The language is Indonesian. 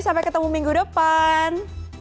sampai ketemu minggu depan